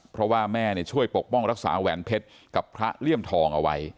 เพราะว่าแม่ช่วยปกป้องรักษาแหวนเพชรกับพระเลี่ยมทองเอาไว้